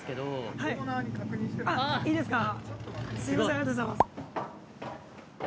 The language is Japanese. ありがとうございます。